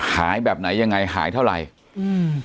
แบบไหนยังไงหายเท่าไหร่อืม